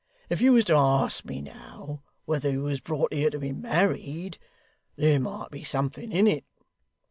If you was to ask me, now, whether you was brought here to be married, there might be something in it.